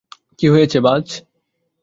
কী হয়েছে, বায?